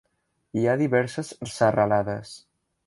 Hi ha diverses serralades.